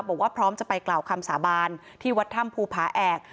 บอกว่าพร้อมจะไปกล่าวคำสาบานที่วัดถ้ำภูผาแอก